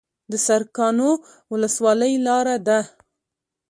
د سرکانو ولسوالۍ لاره ده